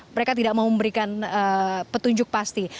mereka tidak mau memberikan petunjuk pasti